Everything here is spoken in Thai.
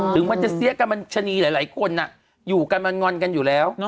ถึงมันจะเสียกันมันชะนีหลายคนอยู่กันมันงอนกันอยู่แล้ว